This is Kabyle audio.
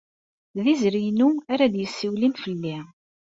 D izri-inu ara d-yessiwlen fell-i.